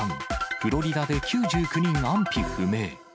フロリダで９９人安否不明。